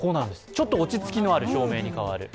ちょっと落ち着きのある照明に変わる。